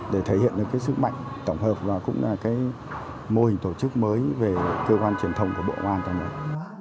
để thể hiện được cái sức mạnh tổng hợp và cũng là cái mô hình tổ chức mới về cơ quan truyền thông của bộ công an tại một